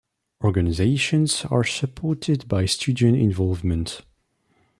Organizations are supported by Student Involvement.